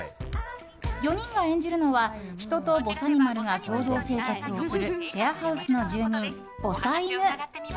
４人が演じるのは人とぼさにまるが共同生活を送るシェアハウスの住人、ぼさいぬ。